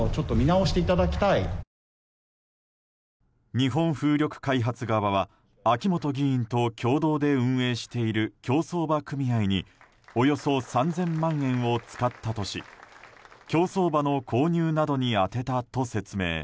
日本風力開発側は秋本議員と共同で運営している競走馬組合におよそ３０００万円を使ったとし競走馬の購入などに充てたと説明。